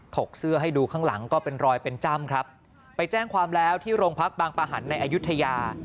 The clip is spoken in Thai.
กเสื้อให้ดูข้างหลังก็เป็นรอยเป็นจ้ำครับไปแจ้งความแล้วที่โรงพักบางประหันในอายุทยา